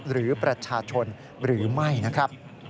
หรือประชาชนหรือไม่นะครับ